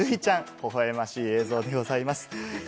微笑ましい映像でございます。